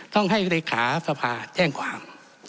ต้องให้เลขาสภาแจ้งความ